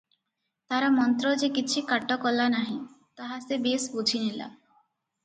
ତାର ମନ୍ତ୍ର ଯେ କିଛି କାଟ କଲା ନାହିଁ, ତାହା ସେ ବେଶ୍ ବୁଝିନେଲା ।